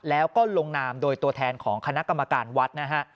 แล้วก็ลงนามโดยตัวแทนของคณะกรรมการวัดนะฮะ